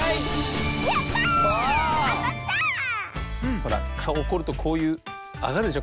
ほらかおおこるとこういうあがるでしょ。